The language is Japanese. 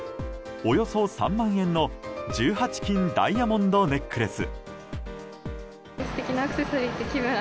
およそ３万円の１８金ダイヤモンドネックレス。